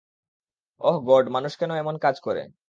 ওহ god, মানুষ কেন এমন কাজ করে?